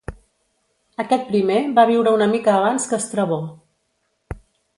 Aquest primer va viure una mica abans que Estrabó.